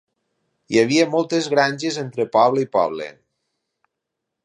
Hi havia moltes granges entre poble i poble.